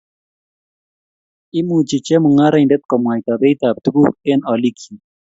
Imuchi chemungaraindet komwaita beitab tuguk eng olikyik